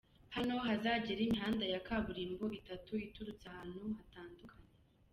Hano hazagera imihanda ya kaburimbo itatu iturutse ahantu hatandukanye.